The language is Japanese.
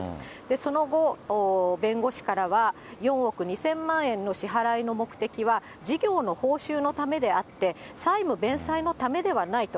その後、弁護士からは、４億２０００万円の支払いの目的は事業の報酬のためであって、債務弁済のためではないと。